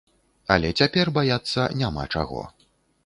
Але цяпер баяцца няма чаго.